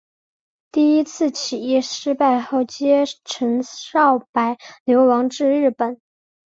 第一次起义失败后偕陈少白流亡至日本。